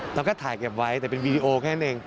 เราก็ถ่ายเก็บไว้แต่เป็นวีดีโอแค่หนึ่ง